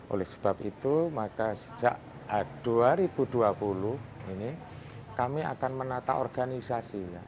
oleh sebab itu maka sejak dua ribu dua puluh ini kami akan menata organisasi